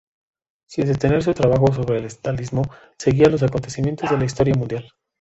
Sin detener su trabajo sobre el estalinismo, seguía los acontecimientos de la historia mundial.